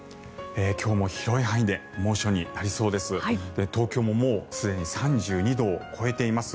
今日も広い範囲で猛暑になりそうです。